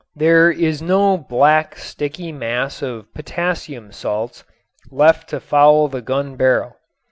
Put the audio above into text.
There is no black sticky mass of potassium salts left to foul the gun barrel.